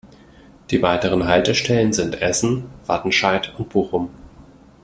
Die weiteren Haltestellen sind Essen, Wattenscheid und Bochum.